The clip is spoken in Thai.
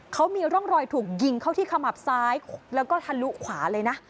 เขามีร่องรอยถูกยิงเข้าที่ขมับซ้ายแล้วก็ทะลุขวาเลยนะ